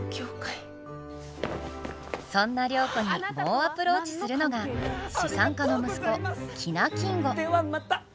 そんな良子に猛アプローチするのが資産家の息子喜納金吾。